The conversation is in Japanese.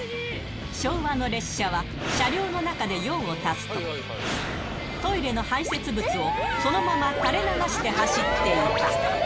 昭和の列車は、車両の中で用を足すと、トイレの排せつ物をそのままたれ流して走っていた。